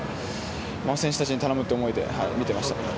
選手たちに頼むという思いで見ていました。